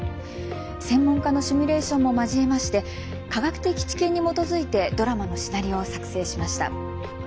専門家のシミュレーションも交えまして科学的知見に基づいてドラマのシナリオを作成しました。